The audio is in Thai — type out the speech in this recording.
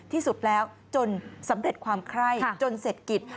ที่สุดแล้วจนสำเร็จความไคร้จนเสร็จกิจ